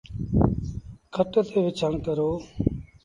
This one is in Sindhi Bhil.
کٽ تي وڇآݩ ڪرو۔